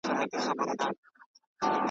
ستا د تلو وروسته پوهېدم چي ډنګرېږمه نور